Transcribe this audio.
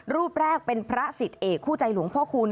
รูปแรกเป็นพระสิทธิเอกคู่ใจหลวงพ่อคูณ